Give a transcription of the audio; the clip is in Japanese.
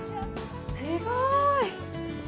すごい。